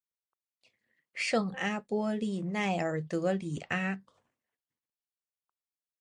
圣阿波利奈尔德里阿。